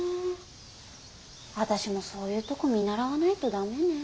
私もそういうとこ見習わないとダメね。